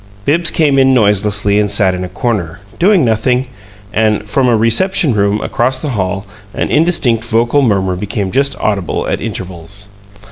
Bibbs came in noiselessly and sat in a corner, doing nothing; and from a "reception room" across the hall an indistinct vocal murmur became just audible at intervals.